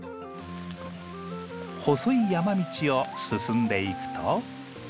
細い山道を進んでいくと。